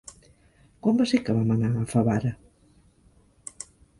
Quan va ser que vam anar a Favara?